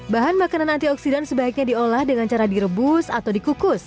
bahan makanan antioksidan sebaiknya diolah dengan cara direbus atau dikukus